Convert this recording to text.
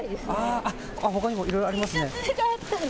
ほかにもいろいろありますね。